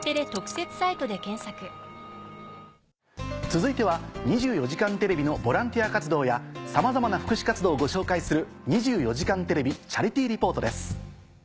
続いては『２４時間テレビ』のボランティア活動やさまざまな福祉活動をご紹介する。